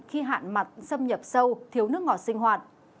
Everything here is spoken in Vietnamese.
khi hạn mặn xâm nhập sâu thiếu nước ngọt sinh hoạt